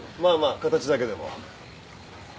まあまあ形だけでも。